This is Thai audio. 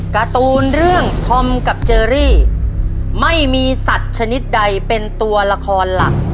การ์ตูนเรื่องธอมกับเจอรี่ไม่มีสัตว์ชนิดใดเป็นตัวละครหลัก